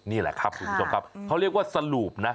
นี่แหละครับคุณผู้ชมครับเขาเรียกว่าสรุปนะ